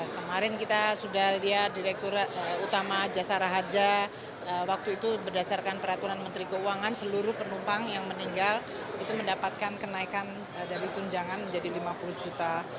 kemarin kita sudah lihat direktur utama jasara haja waktu itu berdasarkan peraturan menteri keuangan seluruh penumpang yang meninggal itu mendapatkan kenaikan dari tunjangan menjadi lima puluh juta